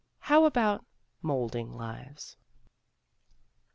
How about molding lives?